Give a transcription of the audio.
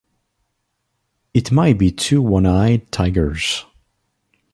It might be two one-eyed Tigers!